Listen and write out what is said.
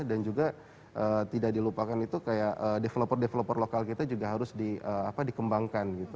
dan juga tidak dilupakan itu kayak developer developer lokal kita juga harus dikembangkan